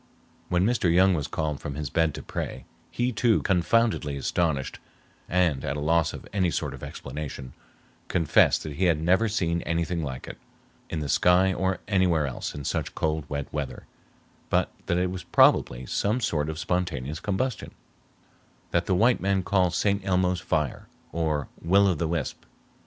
When Mr. Young was called from his bed to pray, he, too, confoundedly astonished and at a loss for any sort of explanation, confessed that he had never seen anything like it in the sky or anywhere else in such cold wet weather, but that it was probably some sort of spontaneous combustion "that the white man called St. Elmo's fire, or Will of the wisp."